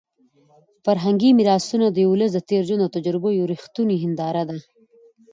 فرهنګي میراثونه د یو ولس د تېر ژوند او تجربو یوه رښتونې هنداره ده.